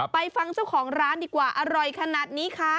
ไปฟังเจ้าของร้านดีกว่าอร่อยขนาดนี้คะ